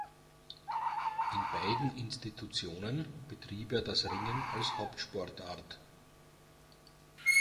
In beiden Institutionen betrieb er das Ringen als Hauptsportart.